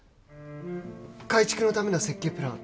改築のための設計プラン